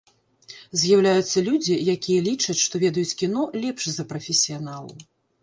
З'яўляюцца людзі, якія лічаць, што ведаюць кіно лепш за прафесіяналаў.